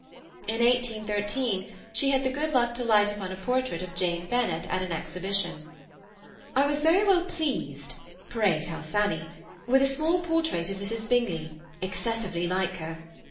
In 1813 she had the good luck to light upon a portrait of Jane Bennet at an exhibition. "I was very well pleased (pray tell Fanny) with a small portrait of Mrs. Bingley, excessively like her.